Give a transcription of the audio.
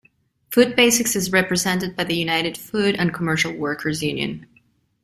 Food Basics is represented by the United Food and Commercial Workers union.